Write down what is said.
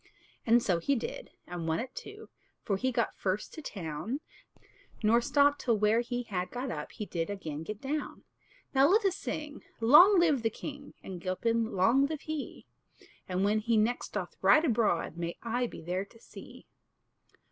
And so he did, and won it too, For he got first to town; Nor stopped till where he had got up He did again get down. Now let us sing, Long live the king! And Gilpin long live he; And, when he next doth ride abroad, May I be there to see!